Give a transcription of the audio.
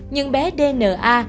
nhưng bé dna